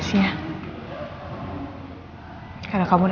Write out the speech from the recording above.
aku juga bener bener yakin kamu